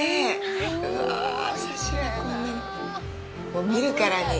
もう見るからに。